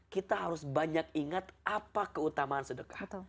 kita harus banyak ingat apa keutamaan sedekah